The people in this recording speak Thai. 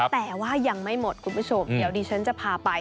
แต่ว่ายังไม่หมดคุณผู้ชมเดี๋ยวดิฉันจะพาไป